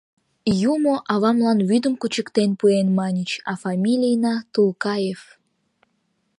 — Юмо авамлан вӱдым кучыктен пуэн, маньыч, а фамилийна — Тулкаев.